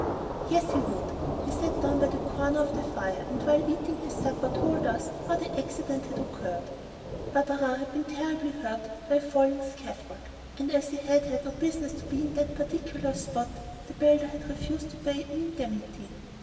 Yes, he would. He sat down by the corner of the fire and while eating his supper told us how the accident had occurred. Barberin had been terribly hurt by a falling scaffold, and as he had had no business to be in that particular spot, the builder had refused to pay an indemnity.